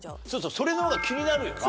それの方が気になるよな。